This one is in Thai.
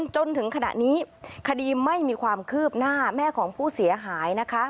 จนถึงขณะนี้คดีไม่มีความคืบหน้าแม่ของผู้เสียหายนะคะ